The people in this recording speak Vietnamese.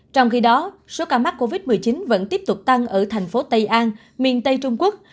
trong khi đó số ca mắc covid một mươi chín vẫn tiếp tục tăng ở thành phố tây an miền tây trung quốc